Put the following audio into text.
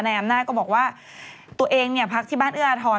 อำนาจก็บอกว่าตัวเองเนี่ยพักที่บ้านเอื้ออาทร